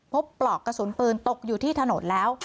ปลอกกระสุนปืนตกอยู่ที่ถนนแล้ว